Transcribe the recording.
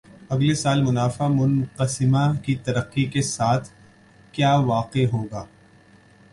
اگلے سال منافع منقسمہ کی ترقی کے ساتھ کِیا واقع ہو گا